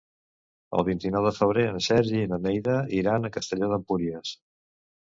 El vint-i-nou de febrer en Sergi i na Neida iran a Castelló d'Empúries.